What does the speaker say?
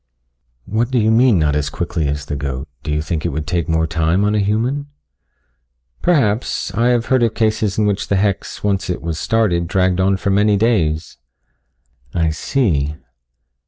"What do you mean not as quickly as the goat do you think it would take more time on a human?" "Perhaps. I have heard of cases in which the hex, once it was started, dragged on for many days." "I see."